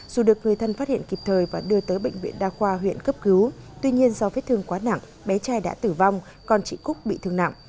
dù được người thân phát hiện kịp thời và đưa tới bệnh viện đa khoa huyện cấp cứu tuy nhiên do vết thương quá nặng bé trai đã tử vong con chị cúc bị thương nặng